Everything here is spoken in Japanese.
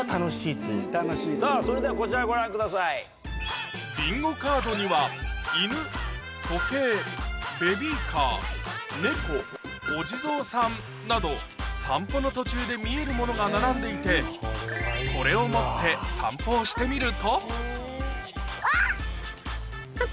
さぁそれではこちらご覧ください。など散歩の途中で見えるものが並んでいてこれを持って散歩をしてみるとあっ！